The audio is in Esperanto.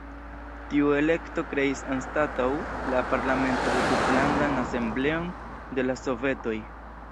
Tiu elekto kreis anstataŭ la parlamento la Tutlandan Asembleon de la Sovetoj.